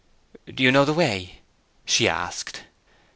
"Do you know the way?" she asked.